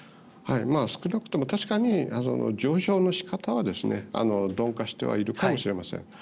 少なくとも確かに上昇の仕方は鈍化してはいるかもしれません。